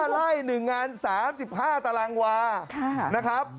๕ไร่๑งาน๓๕ตารางกว่า